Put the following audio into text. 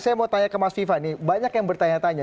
saya mau tanya ke mas viva nih banyak yang bertanya tanya